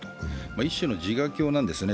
一種の自我教なんですよね